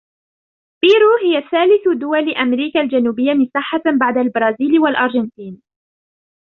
بيرو هي ثالث دول أمريكا الجنوبية مساحةً بعد البرازيل والأرجنتين.